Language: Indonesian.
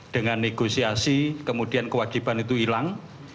dengan negosiasi kemudian kewajiban itu hilang